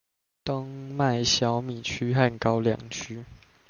冬麥小米區和高梁區